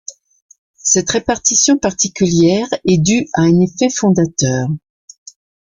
Cette répartition particulière est due à un effet fondateur.